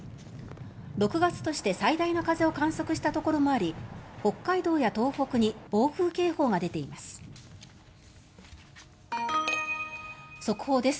６月として最大の風を観測したところもあり北海道や東北に暴風警報が出ています。